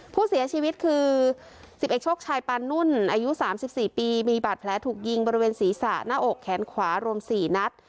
ผู้เสียชีวิตคือสิบเอกชกชายปานนุ่นอายุสามสิบสี่ปีมีบัตรแผลถูกยิงบริเวณศรีษะหน้าอกแขนขวารวมสี่นัด